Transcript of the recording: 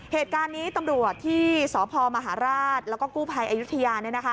เหตุการณ์นี้ตำรวจที่สพมหาราชแล้วก็กู้ภัยอายุทยา